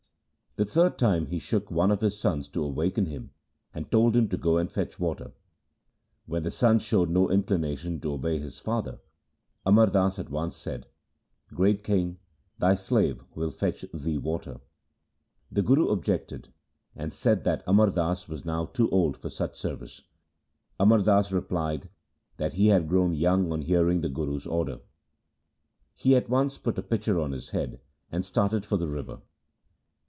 The third time he shook one of his sons to awaken him, and told him to go and fetch water. When the son showed no inclina tion to obey his father, Amar Das at once said, ' Great king, thy slave will fetch thee water.' The Guru objected and said that Amar Das was now too old for such service. Amar Das replied that he had grown young on hearing the Guru's order. He at once put a pitcher on his head and started for the river.